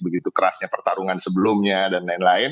begitu kerasnya pertarungan sebelumnya dan lain lain